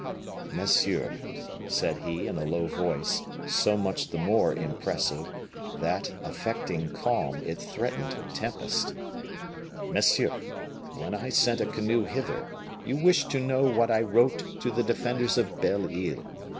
"Monsieur," said he, in a low voice, so much the more impressive, that, affecting calm, it threatened tempest "monsieur, when I sent a canoe hither, you wished to know what I wrote to the defenders of Belle Isle.